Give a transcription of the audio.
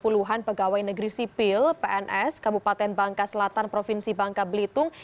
puluhan pegawai negeri sipil pns kabupaten bangka selatan provinsi bangka belitung